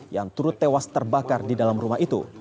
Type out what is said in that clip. yang turut tewas terbakar di dalam rumah itu